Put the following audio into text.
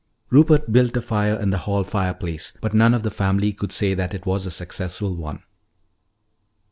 Rupert built a fire in the hall fireplace, but none of the family could say that it was a successful one.